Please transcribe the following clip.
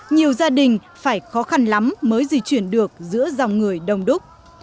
nhiều gia đình phải khó khăn lắm mới di chuyển được giữa dòng người đông đúc